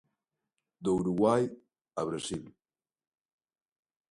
Do Uruguai a Brasil.